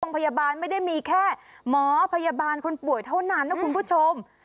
พยาบาลไม่ได้มีแค่หมอพยาบาลคนป่วยเท่านั้นนะคุณผู้ชม